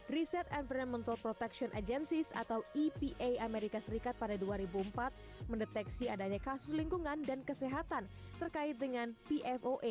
riset environmental protection agencys atau epa amerika serikat pada dua ribu empat mendeteksi adanya kasus lingkungan dan kesehatan terkait dengan pfoa